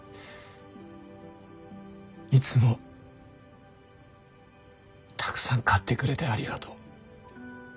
いつもたくさん買ってくれてありがとう。